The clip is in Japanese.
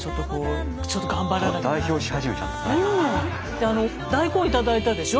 であの大根頂いたでしょ？